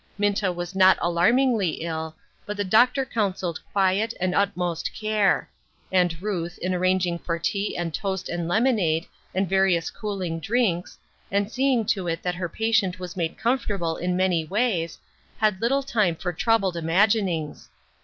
Minta was not alarmingly ill, but the doctor counseled quiet, and utmost care ; and Ruth, in arranging for tea and toast and lemonade, and various cooling drinks, and seeing to it that her patient was made comfortable in many ways, had little time for troubled imaginings.